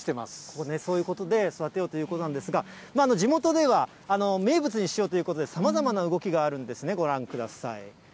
ここね、そういうことで育てようということなんですが、地元では名物にしようということで、さまざまな動きがあるんですね、ご覧ください。